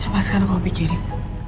coba sekarang kamu pikirin